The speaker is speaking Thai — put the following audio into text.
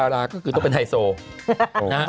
อยู่กันต่วน